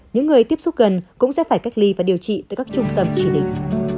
những người tiếp xúc gần cũng sẽ phải cách ly và điều trị tại các trung tâm chỉ định